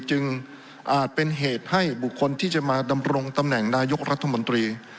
อาจเป็นเหตุให้บุคคลที่จะมาดำรงตำแหน่งนายกรัฐมนตรี